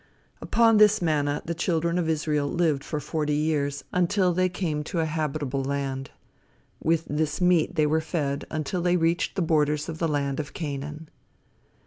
"Upon this manna the children of Israel lived for forty years, until they came to a habitable land. With this meat were they fed until they reached the borders of the land of Canaan."